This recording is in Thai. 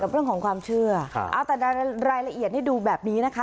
กับเรื่องของความเชื่อค่ะอ่าแต่ได้รายละเอียดให้ดูแบบนี้นะคะ